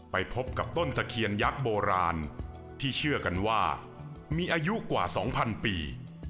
ไปพบกับต้นตะเคียนยักษ์โบราณที่เชื่อกันว่ามีอายุกว่า๒๐๐ปี